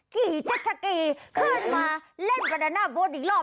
กี้จ๊ะกี้ขึ้นมาเล่นกันในหน้าโบสถ์อีกรอบ